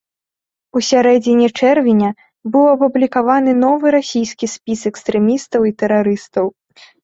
У сярэдзіне чэрвеня быў апублікаваны новы расійскі спіс экстрэмістаў і тэрарыстаў.